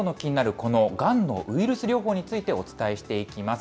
このがんのウイルス療法についてお伝えしていきます。